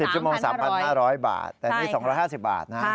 ชั่วโมง๓๕๐๐บาทแต่นี่๒๕๐บาทนะ